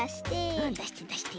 うんだしてだして。